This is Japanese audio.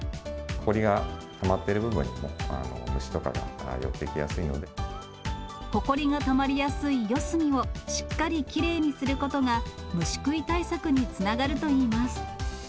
ほこりがたまっている部分にほこりがたまりやすい四隅をしっかりきれいにすることが、虫食い対策につながるといいます。